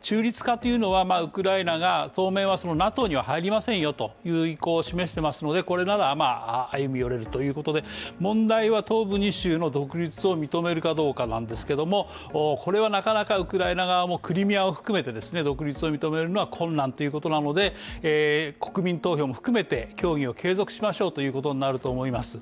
中立化というのは、ウクライナが当面はＮＡＴＯには入りませんよという意向を示していますのでこれなら歩み寄れるということで問題は東部２州独立を認めるかどうかなんですけれどもこれはなかなかウクライナ側もクリミアを含めて独立を認めるのは困難ということなので国民投票も含めて協議を継続しましょうということになると思います。